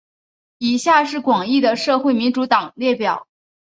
以下是广义的社会民主党列表。